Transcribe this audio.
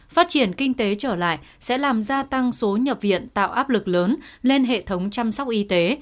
phát triển kinh tế trở lại sẽ làm gia tăng số nhập viện tạo áp lực lớn lên hệ thống chăm sóc y tế